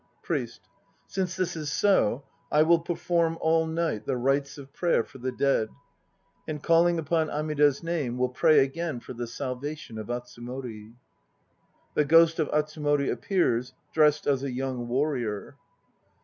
PRIEST. Since this is so, I will perform all night the rites of prayer for the dead, and calling upon Amida's name will pray again for the salva tion of Atsumori. (The ghost of ATSUMORI appears, dressed as a young warrior.)